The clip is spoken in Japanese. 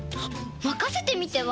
まかせてみては？